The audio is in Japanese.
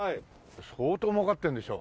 相当もうかってるんでしょ？